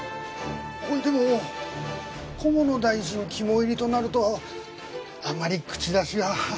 ほいでも菰野大臣肝いりとなるとあんまり口出しは。